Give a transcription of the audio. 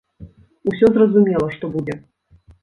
Усё зразумела, што будзе!